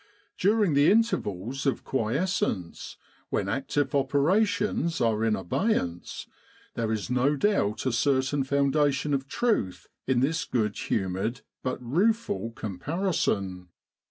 During the intervals of quiescence, when active operations are in abeyance, there is no doubt a certain foundation of truth in this good humoured but rueful comparison.